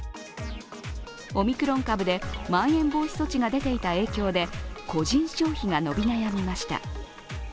オミクロン株でまん延防止措置が出ていた影響で個人消費が伸び悩みました。